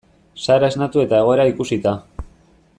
Sara esnatu eta egoera ikusita.